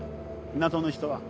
港の人は。